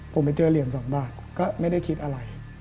ผมไปเจอเหรียญ๒บาทก็ไม่ได้คิดอะไร